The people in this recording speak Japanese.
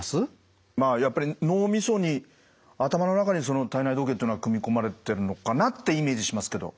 まあやっぱり脳みそに頭の中にその体内時計というのは組み込まれてるのかなってイメージしますけど。